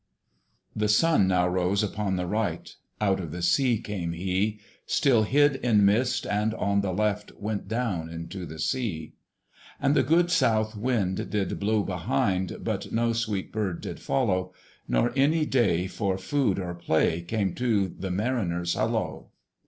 The Sun now rose upon the right: Out of the sea came he, Still hid in mist, and on the left Went down into the sea. And the good south wind still blew behind But no sweet bird did follow, Nor any day for food or play Came to the mariners' hollo!